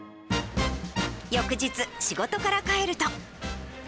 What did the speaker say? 翌日、仕事から帰ると。